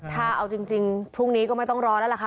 ถ้าเอาจริงพรุ่งนี้ก็ไม่ต้องรอแล้วล่ะค่ะ